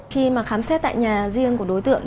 khi mà khám xét tại nhà riêng của đối tượng